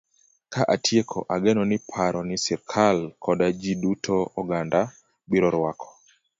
Ka atieko, ageno ni paro ni sirkal koda ji duto e oganda biro rwako.